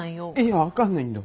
えっ分かんないんだ？